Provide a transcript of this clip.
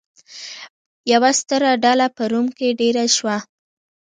یوه ستره ډله په روم کې دېره شوه.